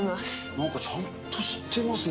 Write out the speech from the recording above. なんかちゃんとしてますね。